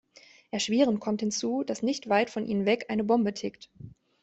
Erschwerend kommt hinzu, dass nicht weit von ihnen weg eine Bombe tickt.